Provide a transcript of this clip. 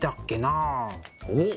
おっ！